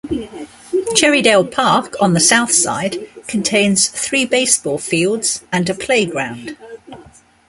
Cherrydale Park on the southside contains three baseball fields and a playground.